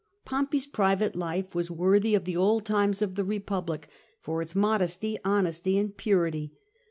Pompey's private life was worthy of the old times of the Eepublic for its modesty, honesty, and purity.